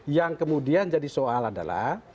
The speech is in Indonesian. yang kemudian jadi soal adalah